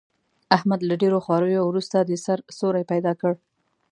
احمد له ډېرو خواریو ورسته، د سر سیوری پیدا کړ.